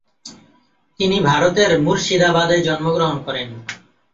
তিনি ভারতের মুর্শিদাবাদে জন্মগ্রহণ করেন।